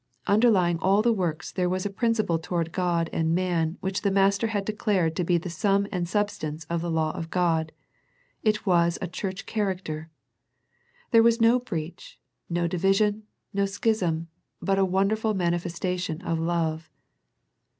Underlying all the works there was a principle toward God and man which the Master had declared to be the sum and substance of the law of God. It was a church character. There was no breach, no division, no schism, but a wonderful manifesta tion of love.